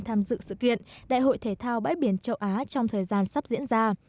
tham dự sự kiện đại hội thể thao bãi biển châu á trong thời gian sắp diễn ra